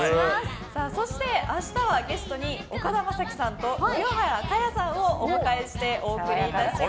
そして、明日はゲストに岡田将生さんと清原果耶さんをお迎えしてお送りいたします。